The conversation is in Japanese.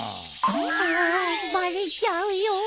あんバレちゃうよ